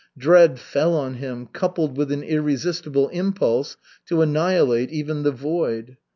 Dread fell on him, coupled with an irresistible impulse to annihilate even the void.